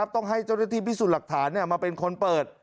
ต้องให้เจ้าหน้าที่พิสูจน์หลักฐานมาเป็นคนเปิด